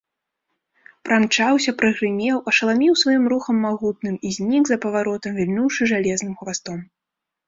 Прамчаўся, прагрымеў, ашаламіў сваім рухам магутным і знік за паваротам, вільнуўшы жалезным хвастом.